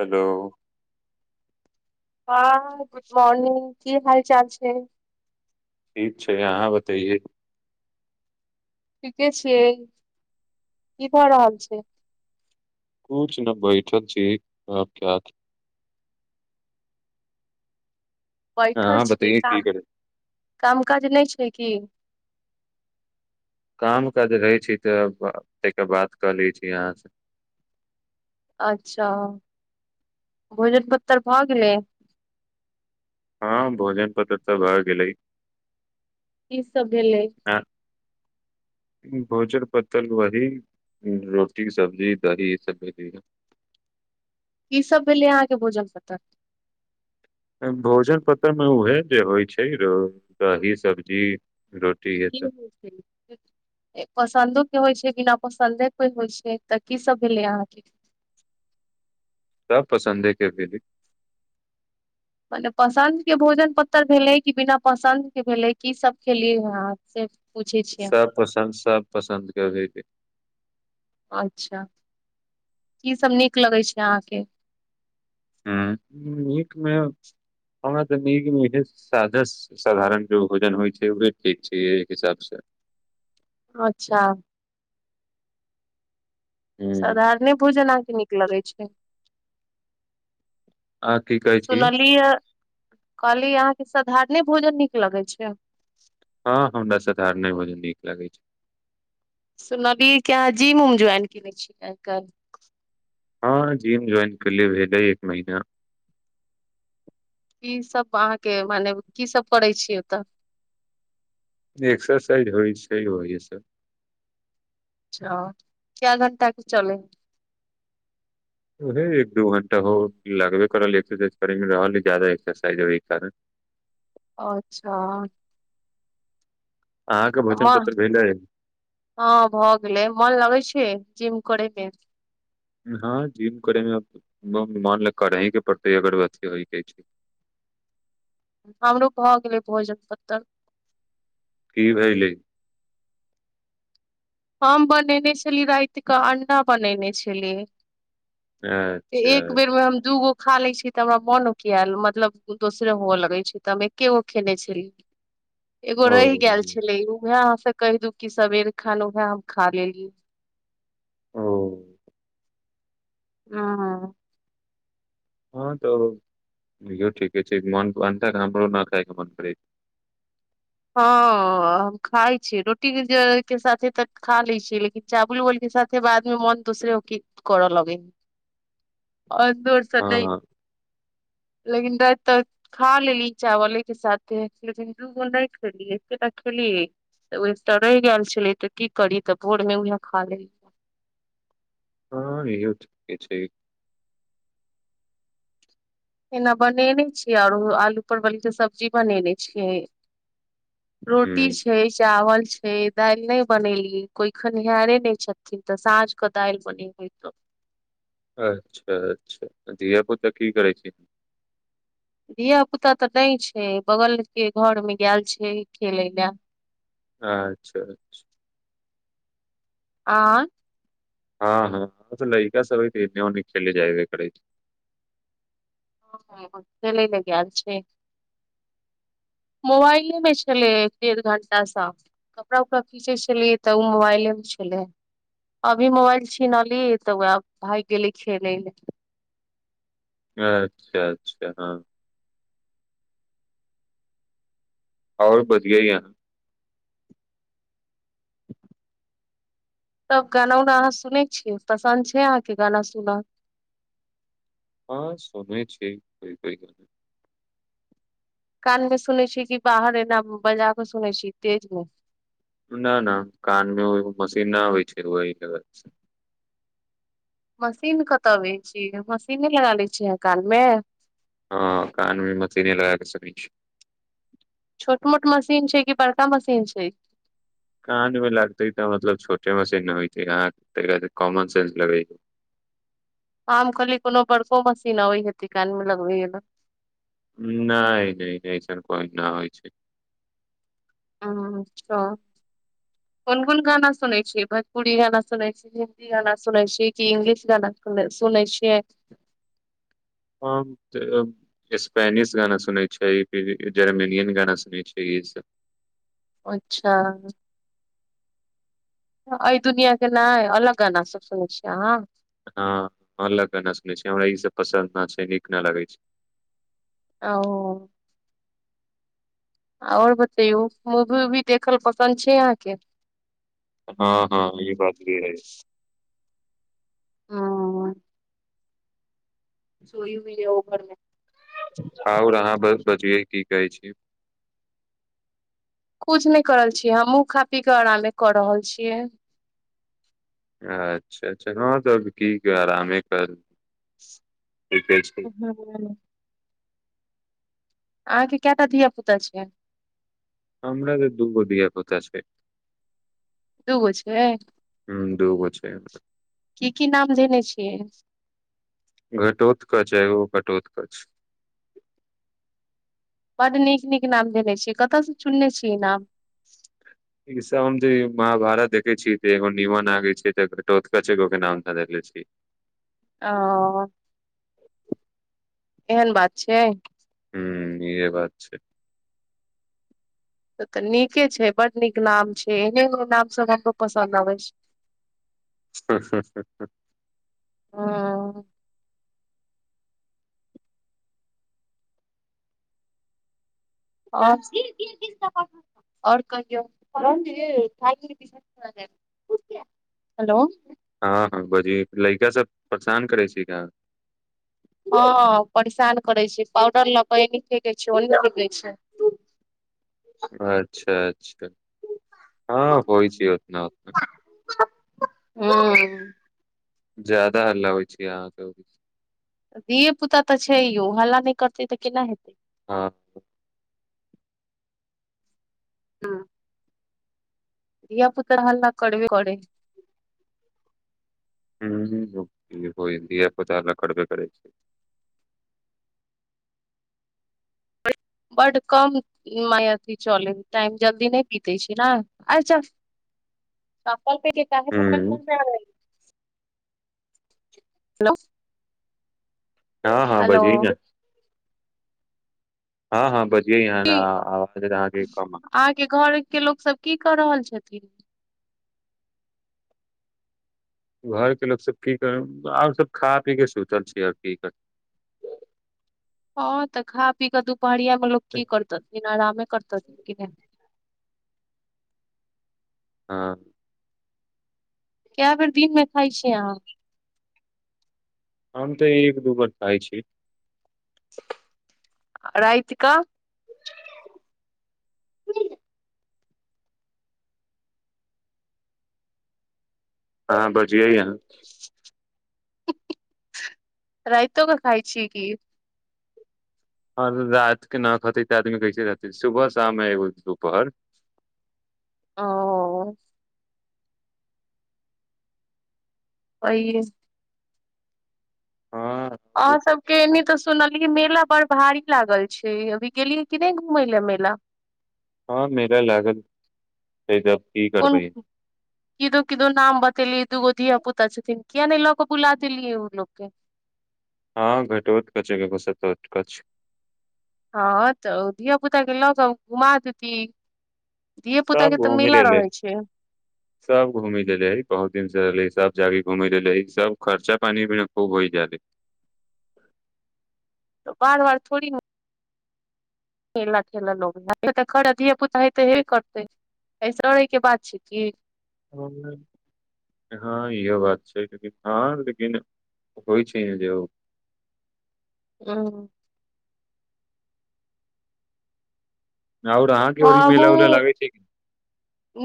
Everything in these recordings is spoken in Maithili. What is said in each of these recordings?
हेलो। हँ गुड मॉर्निंग की हाल चाल छैय। ठीक छै, अहाँ बतैईयै। ठीके छियै। की ख रहल छियै? कुछ नै बैठल छी, अहाॅंक ख्याल मे। बैठल अहाँ छी बतैयै काम, की करै काम काज नहि छै की? काम काज रहै छै तब तयके बात कऽ लै छी अहाँ से। अच्छा, भोजन पत्तर भऽ गेलै। हँ भोजन पत्तर तऽ भय गेलै। की सब भेलै? एं। भोजन पत्तर, वही रोटी सब्जी दही ई सब भेलैई। की सब भेलै अहाँके भोजन पत्तर? भोजन पत्तर मे उहे जे होइ छै र, दही सब्जी रोटी ये की सब [unintelligible] एक पसंन्दो के होइ छै बीना पसन्दे के होइ छै तऽ की सब भेलै अहाँ के। सब पसन्दे के भेलै। मने पसन्द के भोजन पत्तर भेलै कि बिना पसन्द के भेलै की सब खेलियै हॅं से पूछै छियै सब पसन्द सब पसन्द के भेलै। अच्छा, की सब नीक लगै छै अहाँके? हु नीकमेॅ, हमरा त नीक मे सादा साधारण जे भोजन होइत छै ओहि ठीक छै एहि हिसाबसँ। अच्छा। हुं साधारणे भोजन अहाॅंक नीक लगै छै? आ की कहै छी सुनलियै, कहली अहाँके साधारणे भोजन नीक लगै छै? हँ, हमरा साधारणे भोजन नीक लगै छै। सुनलियै की अहाॅं जिम-उम ज्वाइन केने छीयै आई-काल्हि। हँ जिम ज्वाइन कैलियए भेलै हें एक महीना। की सब अहाँके मने, की सब करै छीयै ओतऽ। एक्सरसाइज होइ छै ओहि से। अच्छा कय घंटा के चलय छै। ऊहे एक दू घण्टा हो लगबे करल एक्सरसाइज करय मे रहल ज्यादा एक्सरसाइज ओहि कारण। अच्छा। अहाँके तऽ भोजन मन पत्तर भेलै। हँ भऽ गेलै, मोन लगै छै जिम करैमे। हँ जिम करे मे मन करही के पड़तै अगर बचके रहि के छै। हमरो भए गेलै भोजन पत्तर। की भेलै। हम बनेने छलीय राति कऽ अंडा बनेने छलियै। अच्छा एक बेर मे हम दूगो खा ले छी तऽ हमरा मोन ओकियाल मतलब दोसरे हुए लगे छै तऽ हम एकेगो खेने छलियै। एगो ओ रहि गेल छले उएह अहाॅं से कहि दूं कि सबेरे खन उएह हम खा लेलियै। ओ। हाँ। हँ तऽ ओ इहो ठीके छै मन अंडा हमरो न खायके मन करैये। हँ हम खाय छीयै रोटी के साथे तऽ खा ले छियै लेकिन चाबुल उबल के साथे बाद मे मन दूसरे होके करऽ लगे [unintelligible] त नहि। हँ लेकिन राति तऽ खा लेली चावले के साथे लेकिन दुखों नहि [unintelligible] खेलिये एकेटा खेलियै त रहि गेल छले त की करी तऽ भोर मे उएह खा लेलिये। हँ इहो ठिके छै। एना बनेने छियै आरो आलू परवल के सब्जी बनेने छियै। रोटी हूँ छै चावल छै। दाइल नहि बनेलियै कोइ खनिहारे नहि छथिन तऽ साँझ क दाइल बनेबय हम। अच्छा अच्छा, धिया पुता की करै छी। धिया पुता तऽ नहि छै बगलके घरमे गैल छै खेलय ला। अच्छा अच्छा। आ। हँ हँ, ओत लैका सब हइ तऽ एनी ओनी खेलै जाइबे करइ खेलै लै गेल छै। मोबइले मे छेलै एक डेढ़ घंटा सऽ। कपड़ा उपड़ा खीचै छेलियै तऽ ओ मोबाइलेमे छलै। अभी मोबाइल छिनलीयै तऽ वएह भागि गेलै खेलै ले। अच्छा अच्छा, हँ। आओर बढ़िआ या। तब गाना उना अहाँ सुनै छियै पसन्द छै अहाँके गाना सुन। हँ सुनय छि कोइ कोइ ग कान मे सुनै छी कि बाहर एना बजा कऽ सुनै छी तेज मे। न न, कानमे ओ मशीन न होइ छै वोही लगा स मशीन कतऽ अबै छी मशीने लगा लै छीयै अहाँ कान मे। हँ कानमे मशीने लगा कऽ सुनाय छी। छोट मोट मशीन छै की बड़का मशीन छै। कानमे लागतै तऽ मतलब छोटे मशीन होइ छै आहाँ एकरति कॉमनसेंस लगैयो। हम कहलियै कोनो बड़को मशीन अबै हेतै कान मे लगबै बला। नय नय नय ऐसन कोइ ना होइ छै। ह तऽ कोन कोन गाना सुनै छियै भजपुरी गाना सुनै छी। हिन्दी गाना सुनै छि, कि इंग्लिश गाना सु सुनै छियै। [inaudible] स्पेनिश गाना सुनै छै फिर जर्मनियन गाना सुनै छै इ सब। अच्छा। अय दुनिया के नहि अलग गाना सब सुनय छियै आहाँ। हँ अलग गाना सुन छी हमरा ई सब पसन्द ना छै नीक ना लगै छै। आ ओ। आओर बतैयौ मूवी उवी देखल पसन्द छै अहाँके। हँ हँ ई बात भी हय। [unintelligible] [unintelligible] ओ घरमे। आओर अहाँ बज बजियै की करय छी। कुछ नहि कर रहल छीयै हमहुँ खा पी कऽ आरामे कऽ रहल छियै। अच्छा अच्छा, हँ तऽ की क आरामे क, ठिके छै। [inaudible] अहाँ के कयटा धिया पुता छै। हमरा तऽ दुगो धिया-पुता छै। दूगो छै, हूँ दूगो छै हमरा। की-की नाम देने छियै? घटोत्कच एगो कटोत्कच। बड नीक-नीक नाम देने छियै कतऽ से चुनने छियै ई नाम? ई सब हम जे महाभारत देखे छियै तऽ एगो नीमन आबै छै तऽ घटोतकच एगो के नाम धऽ देने छी। ओ, एहन बात छै। हूं इहे बात छै। तऽ नीके छै, बड नीक नाम छै, एहने नाम सब हमरो पसन्द आबै छै। ह ह ह ह हुं और, और कहियौ। हेलो। हँ हँ बजै छियै, लड़िका सब परेशान करै छै ना। हॅं परेशान करय छै, पाउडर लऽके एनी फेकय छै ओनी फेकय छै। अच्छा-अच्छा, हँ होइ छै ओतना-ओतना हुं हुं ज्यादा हल्ला होइ छै अहाँके। धिये-पुता तऽ छै यौ हल्ला नहि करतै तऽ केना हेतै। हँ हँ धिया-पुता त हल्ला कड़बे करै छै। हुं होई होयत धिया-पुता हल्ला करबे करै छै। बड कम मे अथि चले टाइम जल्दी नहि बीते छै नै अर चल सकल प ह हूं स ह [unintelligible] हँ हँ बजही हेलो, ने। हँ हँ बजियै ह की ह अहाँके काम। अहाँके घर के लोक सब की क रहल छथिन। घरके लोक सब की कर आ सब खा पी के सुतल छै आर की करतै। हँ तऽ खा पी कऽ दुपहरिया मे लोक की करतथिन आरामे करथन कि नहि। हँ। कए बेर दिन मे खाइ छियै अहाँ? हम तऽ एक दू बेर खाइ छी। आ राति कऽ। अहां बजियै हन। राइतो कऽ खाइ छी कि। हां और राति के ना खेतै तऽ आदमी कैसे रहतै सुबह शाम एगो दुपहर। ओ। ओहिये हँ अहाँ सबके एनी तऽ सुनलियै मेला बड़ भारी लागल छै अभी गेलियै कि नहि घूमय लेल मेला? हँ मेला लागल एहिजग। कोन किदो-किदो नाम बतेलियै दूगो धिया-पुता छथिन किया नहि लऽ कऽ बुला देलियै ओ लोक के। हँ घटोतकच ऐगो आवश्यकता अछ। हँ तऽ धिया-पुता के लऽ कऽ घुमा देती। धिये-पुता सब के तऽ घूमि मेला लेले रहै छै। सब घूमै ले रहैले बहुत दिन से रहले सब जाके घूमै लेले है। सब खर्चा पानी भी खूब होई जादे। तऽ बार बार थोड़ी न मेला -ठेला लगै [unintelligible] धिया पुता हेते एबे करतै ऐसेे के बात छैय। [unintelligible] हँ इहो बात छैय हँ लेकिन होय छैय जे हँ। और आहाँके ओरि मेला वेला लगै छैय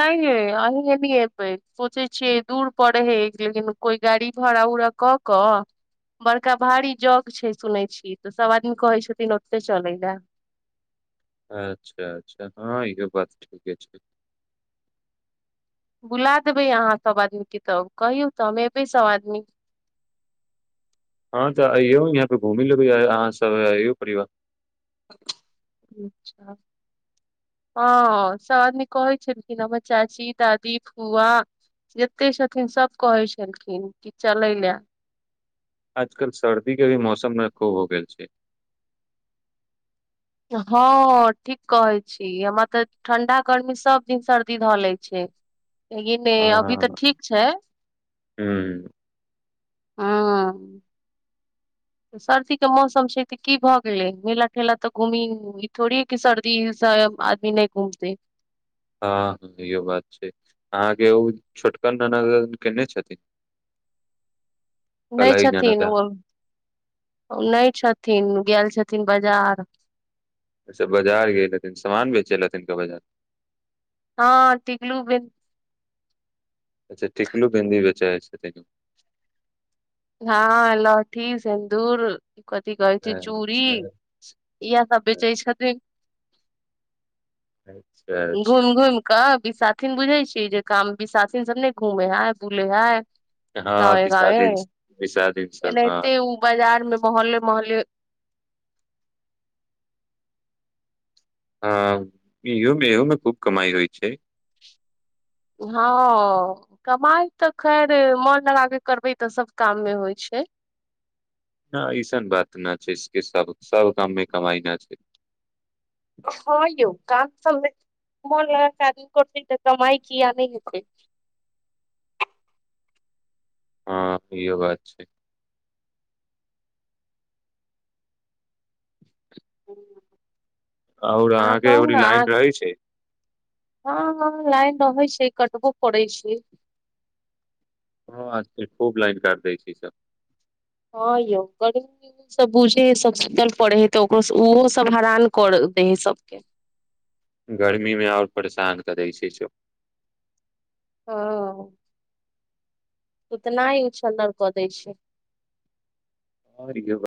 नै-नै अही नै एबै सोचै छियै दुर परेै है कोइ गाड़ी भड़ा -उड़ा क कऽ बड़का भारी जग छैय सुनै छीयेै तऽ सब आदमी कहेै छथिन ओतेै चलेै लए। अच्छा -अच्छा हँ इहो बात ठीके छैय। बुला देबै आहाँ सब आदमी के तब कहियौ तऽ हम एबैय सब आदमी। हँ तऽ आयौ यहाँ पे घुमी लेबै अहाँ सब आयौ परिवार। अच्छा। हँ सब आदमी कहै छेलखिन हमर चाची, दादी, फुआ। जते छथिन सब कहैय छेलखिन कि चलै लए। आजकल सर्दी के भी मौसम मे खुब हो गेल छैय। हँ ठीक कहै छी हमरा तऽ ठंडा गर्मी सब दिन सर्दी धऽ लेैय छैय। एही मे अभी तऽ हँ ठीक छैय। हुँ हँ। सर्दी के मौसम छैय तऽ की भऽ गेलै मेला- ठेला तऽ घुमी इ थोड़ी कि सर्दीसँ आदमी नै घुमतेै। हँ इहो बात छैय अहाँके ओ छोटका नाना केने छथिन। नै कलही छथिन ननद अहाँ ओ नै छथिन गेल छथिन बाजार। अच्छा बाजार गेल छथिन सामान बेचैय लए गेलखिन बाजार। हँ टिकलु बिं अच्छा टिकलू बिन्दी बेचऽ जाय छथिन। हँ लहठी, सिन्दूर, कथी कहै छैय चूड़ी। अच्छा इहए सब बेचै छथिन अच्छा अच्छा घुइम -घुइम। कहाँ विसाखीन बुझेै छीयै जे काम बिसाखीन सब ने घुमेैय है बुलेै है। गाँवे -गाँवे। विसा एनाहिते ओ बाजारमे मोहल्ले- मोहल्ले। हँ इहो मे - इहो मे खुब कमाई होय छैय। हँ। कमाई तऽ खैर मोन लगा कऽ करबै तऽ सब काम मे होय छैय। हँ ऐसन बात नऽ छैय इस इस सब-सब काम में कमाई न छैय। हँ यौ काम सबमे मोन लगाके काज करतै तऽ कमैय किया नै हेतै। हँ इहो बात छैय। आओर अहाँ अहाँके ओरि लाइन रहैय छैय। ह -ह लाइन रहैय छैय कटबो करैय छैय। ह आब त खुब लाइन काटय छैय इ सब। ह यौ गर्मी [unintelligible] गर्मीमे आओर परेशान करैय छैय इ सब। ह। सुतनाय उछन्नर कऽ दैय छैय। आर कहियो।